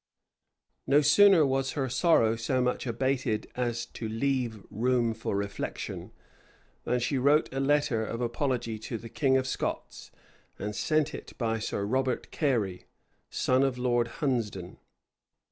608 No sooner was her sorrow so much abated as to leave room for reflection, than she wrote a letter of apology to the king of Scots, and sent it by Sir Robert Cary, son of Lord Hunsdon.